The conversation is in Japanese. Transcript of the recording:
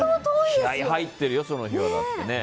気合入ってるよ、その日は。